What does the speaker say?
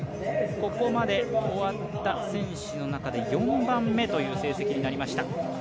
ここまで終わった選手の中で４番目という成績になりました。